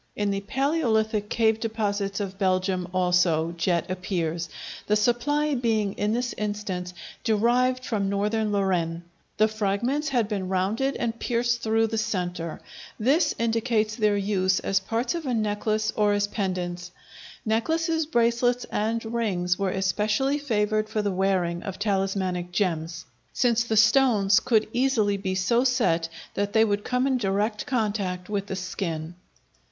In the palæolithic cave deposits of Belgium also, jet appears, the supply being in this instance derived from northern Lorraine. The fragments had been rounded and pierced through the centre. This indicates their use as parts of a necklace or as pendants. Necklaces, bracelets, and rings were especially favored for the wearing of talismanic gems, since the stones could easily be so set that they would come in direct contact with the skin.